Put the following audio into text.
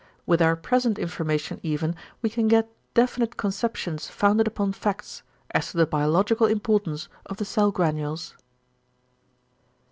With our present information even we can get definite conceptions founded upon facts, as to the =biological importance of the cell granules=.